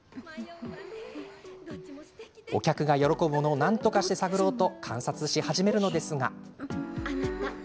お客が喜ぶものをなんとかして探ろうと観察し始めるのですが。